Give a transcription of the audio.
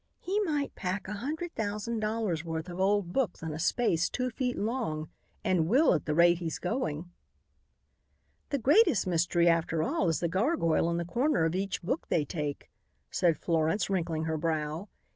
"He might pack a hundred thousand dollars' worth of old books in a space two feet long, and will at the rate he's going." "The greatest mystery after all is the gargoyle in the corner of each book they take," said Florence, wrinkling her brow.